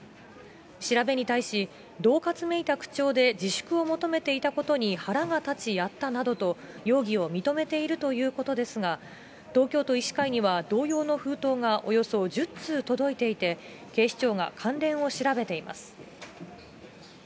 調べに対し、どう喝めいた口調で自粛を求めていたことに腹が立ちやったなどと、容疑を認めているということですが、東京都医師会には同様の封筒がおよそ１０通届いていて、警視庁が関連を調べています。